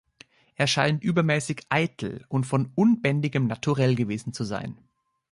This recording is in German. Er scheint übermäßig eitel und von unbändigem Naturell gewesen zu sein.